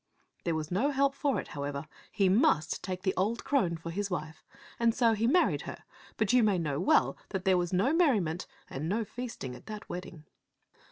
" There was no help for it, however, he must take the old crone for his wife, and so he married her ; but you may know well that there was no merriment and no feasting at that wedding.